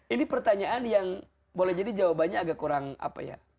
ini pertanyaan yang boleh jadi jawabannya agak kurang apa ya